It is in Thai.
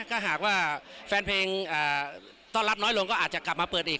ถ้าหากว่าแฟนเพลงต้อนรับน้อยลงก็อาจจะกลับมาเปิดอีก